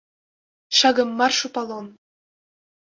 Шагам марш у палон!